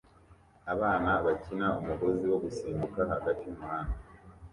Abana bakina umugozi wo gusimbuka hagati yumuhanda